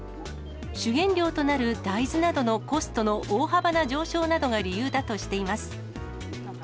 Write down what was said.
主原料となる大豆などのコストの大幅な上昇などが理由だとしています。